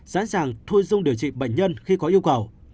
sẵn sàng thu dung điều trị bệnh nhân khi có yêu cầu